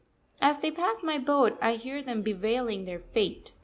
As they pass my boat I hear them bewailing their fate.